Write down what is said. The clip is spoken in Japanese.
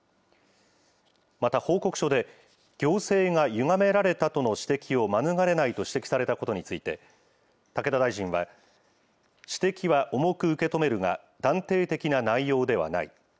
また報告書で、行政がゆがめられたとの指摘を免れないと指摘されたことについて、武田大臣は、指摘は重く受け止めるが、断定的な内容ではない。